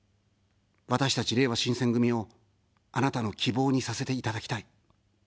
私たち、れいわ新選組を、あなたの希望にさせていただきたい。